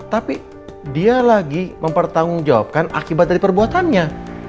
tapi dia lagi mempertanggungjawabkan akibat dari perbuatannya